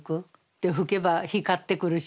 で拭けば光ってくるし。